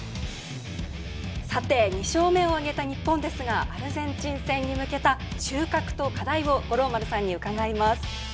さて、２勝目を挙げた日本ですがアルゼンチン戦に向けた収穫と課題を五郎丸さんに伺います。